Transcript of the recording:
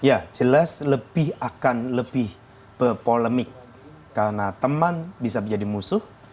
ya jelas lebih akan lebih berpolemik karena teman bisa menjadi musuh